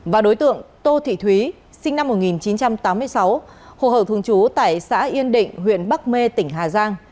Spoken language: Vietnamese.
và đối tượng tô thị thúy sinh năm một nghìn chín trăm tám mươi sáu hộ khẩu thường chú tại xã yên định huyện bắc mê tỉnh hà giang